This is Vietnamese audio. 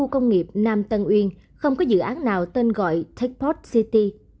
công nghiệp nam tân uyên không có dự án nào tên gọi techot city